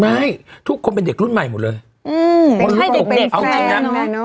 ไม่ทุกคนเป็นเด็กรุ่นใหม่หมดเลยอืมเป็นให้เด็กเป็นแฟนเอาจริงเนี้ย